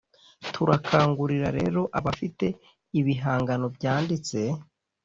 turakangurira rero abafite ibihangano byanditse,